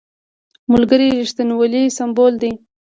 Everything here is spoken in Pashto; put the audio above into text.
ملګری د رښتینولۍ سمبول دی